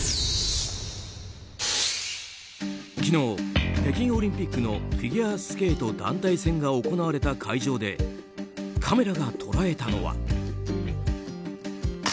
昨日、北京オリンピックのフィギュアスケート団体戦が行われた会場でカメラが捉えたのは。